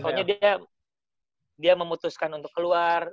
pokoknya dia memutuskan untuk keluar